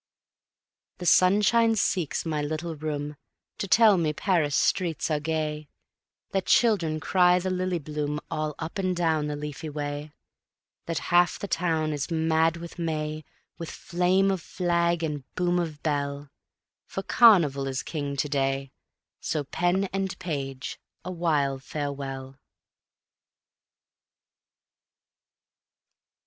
The sunshine seeks my little room To tell me Paris streets are gay; That children cry the lily bloom All up and down the leafy way; That half the town is mad with May, With flame of flag and boom of bell: For Carnival is King to day; So pen and page, awhile farewell.